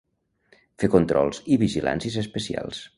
Fer controls i vigilàncies especials.